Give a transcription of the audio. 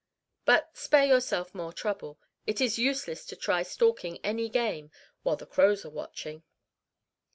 But spare yourself more trouble. It is useless to try stalking any game while the crows are watching.